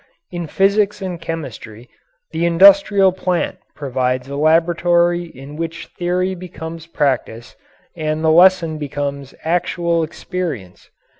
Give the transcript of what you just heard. In physics and chemistry the industrial plant provides a laboratory in which theory becomes practice and the lesson becomes actual experience.